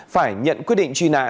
phải nhận quyết định truy nã